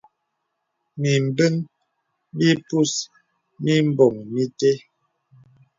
Mìmbəŋ bìpus mìmboŋ mìtə́.